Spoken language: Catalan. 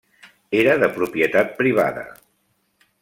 Era de propietat privada.